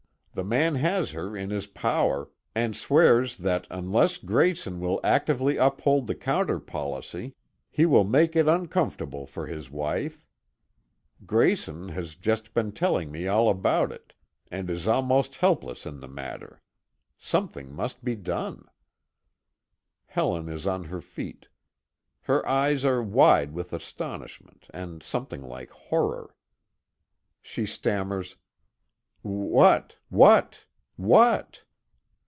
The man has her in his power, and swears that unless Grayson will actively uphold the counter policy, he will make it uncomfortable for his wife. Grayson has just been telling me all about it, and is almost helpless in the matter. Something must be done." Helen is on her feet. Her eyes are wide with astonishment, and something like horror. She stammers: "What what what?"